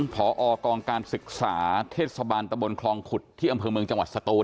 พอกองการศึกษาเทศบาลตะบนคลองขุดที่อำเภอเมืองจังหวัดสตูน